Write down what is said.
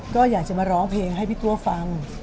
ก็อยากจะมาร้องเพลงให้พี่ตัวฟัง